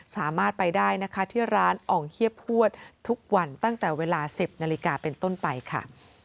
สามารถไปได้นะคะที่ร้านอ่องเฮียบพวดทุกวันตั้งแต่เวลา๑๐นาฬิกาเป็นต้นไปค่ะ